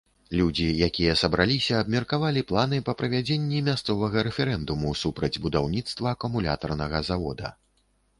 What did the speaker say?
Людзі, якія сабраліся, абмеркавалі планы па правядзенні мясцовага рэферэндуму супраць будаўніцтва акумулятарнага завода.